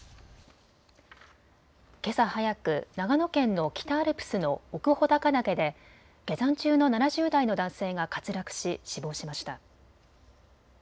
けさ早く、長野県の北アルプスの奥穂高岳で下山中の７０代の男性が滑落し死亡しました。